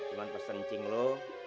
cuman pesen cing lo